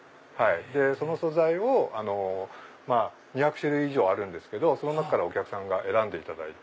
その素材を２００種類以上あるんですけどその中からお客さんが選んでいただいて。